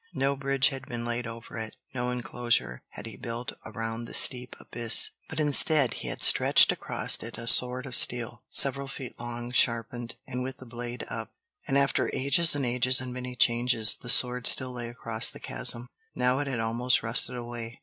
No bridge had been laid over it; no inclosure had he built around the steep abyss. But instead, he had stretched across it a sword of steel, several feet long, sharpened, and with the blade up. And after ages and ages and many changes, the sword still lay across the chasm. Now it had almost rusted away.